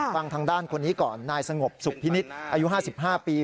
ฟังทางด้านคนนี้ก่อนนายสงบสุขพินิษฐ์อายุ๕๕ปี